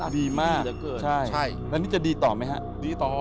ดีมากนั่นจะดีต่อไหมครับ